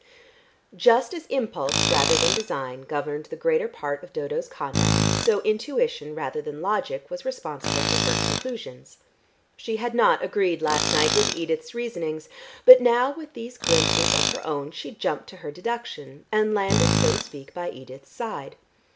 Just as impulse rather than design governed the greater part of Dodo's conduct, so intuition rather than logic was responsible for her conclusions. She had not agreed last night with Edith's reasonings, but now with these glimpses of her own, she jumped to her deduction, and landed, so to speak, by Edith's side.